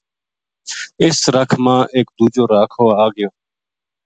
اس رکھ ما ایک دُوجو راکھو آ گیو